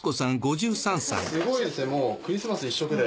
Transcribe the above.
すごいですねもうクリスマス一色で。